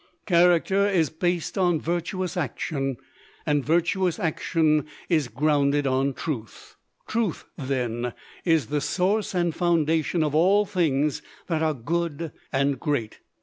Character is based on virtuous action, and virtuous action is grounded on Truth. Truth, then, is the source and foundation of all things that are good and great.